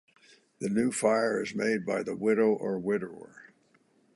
The new fire is made by the widow or widower.